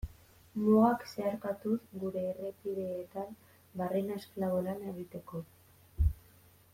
Mugak zeharkatuz gure errepideetan barrena esklabo lana egiteko.